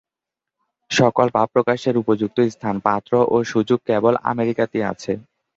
সকল ভাব প্রকাশের উপযুক্ত স্থান, পাত্র ও সুযোগ কেবল আমেরিকাতেই আছে।